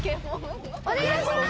お願いします